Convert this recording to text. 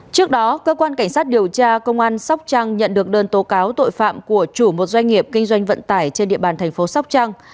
trước đó cơ quan cảnh sát điều tra công an sóc trăng nhận được đơn tố cáo tội phạm của chủ một doanh nghiệp kinh doanh vận tải trên địa bàn thành phố sóc trăng